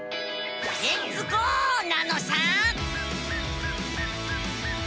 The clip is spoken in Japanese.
レッツゴー！なのさ。